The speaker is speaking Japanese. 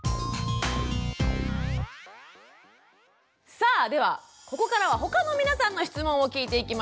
さあではここからは他の皆さんの質問を聞いていきましょう。